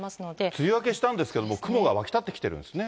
梅雨明けしたんですけども、雲が湧き立ってきてるんですね。